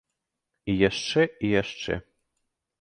І яшчэ і яшчэ.